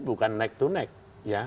bukan naik to neck ya